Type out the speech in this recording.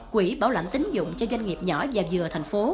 quỹ bảo lãnh tính dụng cho doanh nghiệp nhỏ và vừa thành phố